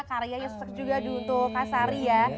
karyanya sesek juga untuk kak sari ya